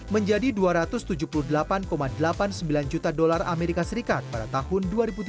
menjadi dua ratus tujuh puluh delapan delapan puluh sembilan juta dolar as pada tahun dua ribu tujuh belas